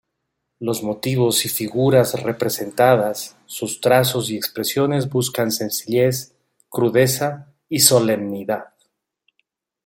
Los motivos y figuras representadas, sus trazos y expresiones buscan sencillez, crudeza y solemnidad.